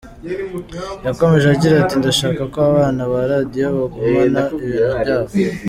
Yakomeje agira ati “Ndashaka ko abana ba Radio bagumana ibintu byabo.